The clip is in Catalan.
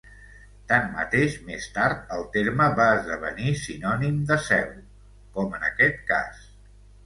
Tanmateix, més tard, el terme va esdevenir sinònim de cel, com en aquest cas.